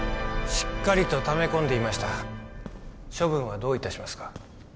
しっかりとため込んでいました処分はどういたしますか？